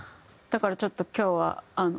だからちょっと今日は。